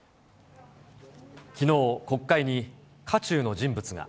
きのう、国会に渦中の人物が。